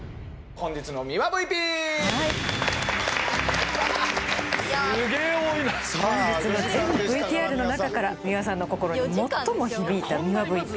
本日の全ＶＴＲの中から美輪さんの心に最も響いたミワＶＰ。